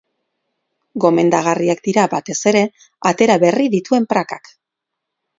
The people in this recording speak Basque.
Gomendagarriak dira, batez ere, atera berri dituen prakak.